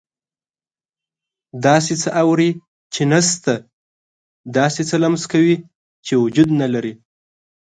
داسې څه اوري چې نه شته، داسې څه لمس کوي چې وجود نه لري.